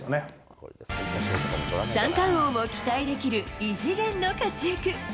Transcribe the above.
三冠王も期待できる、異次元の活躍。